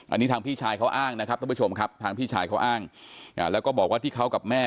อันนี้ทางพี่ชายเขาอ้างนะครับท่านผู้ชมครับทางพี่ชายเขาอ้างแล้วก็บอกว่าที่เขากับแม่